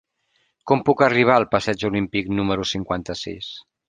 Com puc arribar al passeig Olímpic número cinquanta-sis?